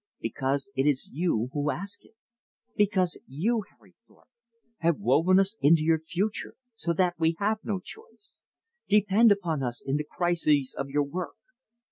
Because it is you who ask it. Because you, Harry Thorpe, have woven us into your fortune, so that we have no choice. Depend upon us in the crises of your work!